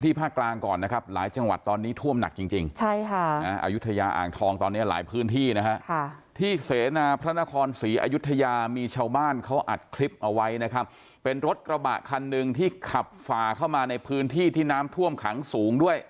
ภาคกลางก่อนนะครับหลายจังหวัดตอนนี้ท่วมหนักจริงจริงใช่ค่ะอายุทยาอ่างทองตอนนี้หลายพื้นที่นะฮะที่เสนาพระนครศรีอยุธยามีชาวบ้านเขาอัดคลิปเอาไว้นะครับเป็นรถกระบะคันหนึ่งที่ขับฝ่าเข้ามาในพื้นที่ที่น้ำท่วมขังสูงด้วย